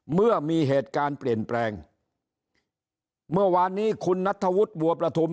เมื่อมีเหตุการณ์เปลี่ยนแปลงเมื่อวานนี้คุณนัทธวุฒิบัวประทุม